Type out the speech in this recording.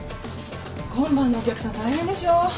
今晩のお客さん大変でしょ？